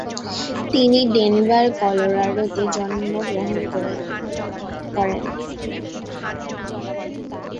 তিনি Denver, Colorado তে জন্ম গ্রহণ করেন।